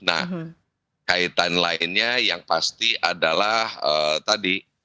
nah kaitan lainnya yang pasti adalah tadi